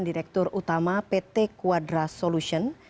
direktur utama pt quadra solution